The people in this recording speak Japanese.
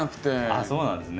あそうなんですね。